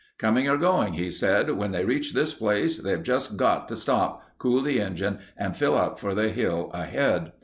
"Coming or going," he said, "when they reach this place they've just got to stop, cool the engine, and fill up for the hill ahead."